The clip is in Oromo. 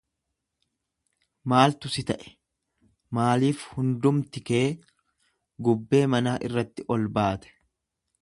Maaltu si ta'e? Maaliif hundumti kee gubbee manaa irratti ol baate?